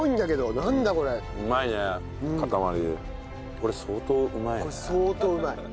これ相当うまいね。